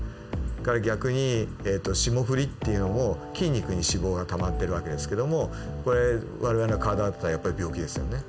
それから逆に霜降りっていうのも筋肉に脂肪がたまってる訳ですけどもこれ我々の体だったらやっぱり病気ですよね。